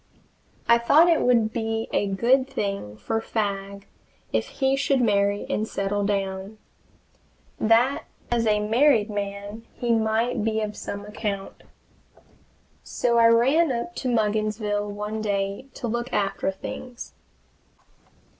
I thought it would be a good thing for Fagg if he should marry and settle down; that as a married man he might be of some account. So I ran up to Mugginsville one day to look after things.